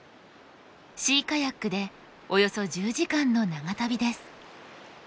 シーカヤックでおよそ１０時間の長旅です。